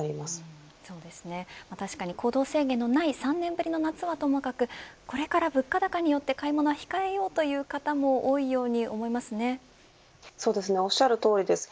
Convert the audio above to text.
確かに行動制限のない３年ぶりの夏はともかくこれから物価高によって買い物は控えようという方もおっしゃるとおりです。